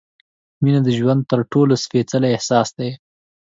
مینه د ژوند تر ټولو سپېڅلی احساس دی.